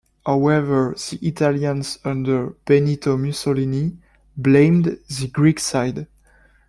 However, the Italians under Benito Mussolini, blamed the Greek side.